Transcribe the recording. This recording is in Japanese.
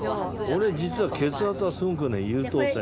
俺実は血圧はすごくね優等生。